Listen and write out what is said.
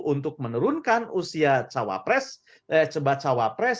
untuk menurunkan usia cebacawa pres